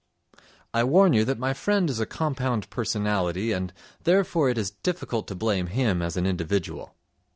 I warn you that my friend is a compound personality and therefore it is difficult to blame him as an individual.